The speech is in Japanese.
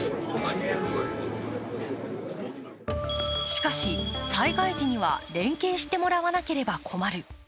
しかし、災害時には連携してもらわなければ困る。